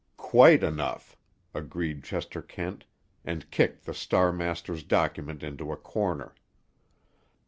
"Quite enough!" agreed Chester Kent, and kicked the Star master's document into a corner.